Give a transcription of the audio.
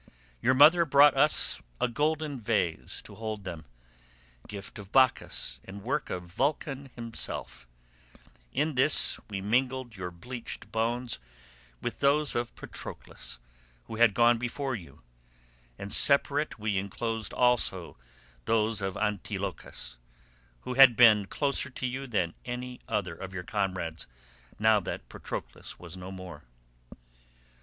Your mother brought us a golden vase to hold them—gift of Bacchus, and work of Vulcan himself; in this we mingled your bleached bones with those of Patroclus who had gone before you, and separate we enclosed also those of Antilochus, who had been closer to you than any other of your comrades now that Patroclus was no more.